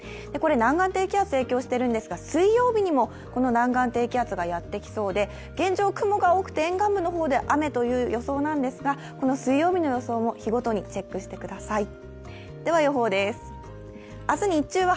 これ、南岸低気圧が影響しているんですが、水曜日にも、この南岸低気圧がやってきそうで、現状、雲が多くて沿岸部の方で雨という予想なんですが水曜日の予想も日ごとにチェックしてください。